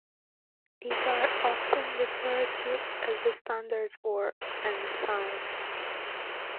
These are often referred to as the standard or ensign.